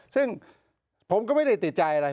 ซึ่งผมก็ไม่ได้ติดใจอะไร